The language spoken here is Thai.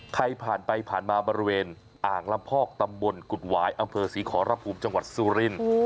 ใครผ่านไปผ่านมาบริเวณอ่างลำพอกตำบลกุฎหวายอำเภอศรีขอรภูมิจังหวัดสุรินทร์